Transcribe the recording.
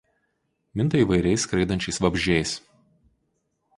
Minta įvairiais skraidančiais vabzdžiais.